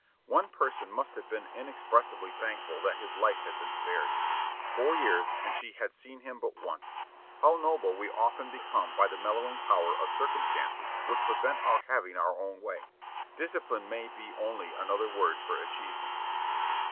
One person must have been inexpressibly thankful that his life had been spared. Four years, and she had seen him but once! How noble we often become by the mellowing power of circumstances which prevent our having our own way! Discipline may be only another word for achievement.